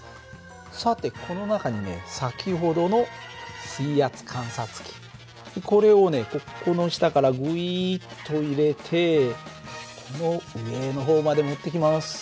さてこの中にね先ほどの水圧観察器これをねここの下からグイッと入れてこの上の方まで持ってきます。